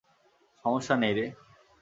সমস্যা নেই রে।